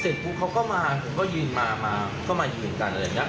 เสร็จปุ๊บเขาก็มาผมก็ยืนมาก็มายืนกันอะไรแบบนี้